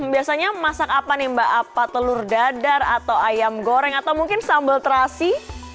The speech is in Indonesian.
biasanya masak apa nih mbak apa telur dadar atau ayam goreng atau mungkin sambal terasi